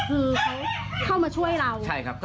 คือเขาเข้ามาช่วยเรา